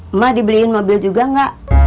emah dibeliin mobil juga gak